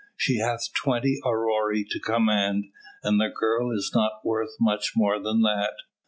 She hath twenty aurei to command, and the girl is not worth much more than that.